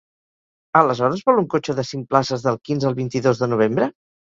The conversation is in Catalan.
Aleshores vol un cotxe de cinc places del quinze al vint-i-dos de novembre?